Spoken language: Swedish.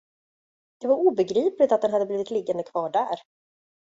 Det var obegripligt, att den hade blivit liggande kvar där.